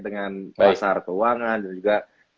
dengan pasar keuangan dan juga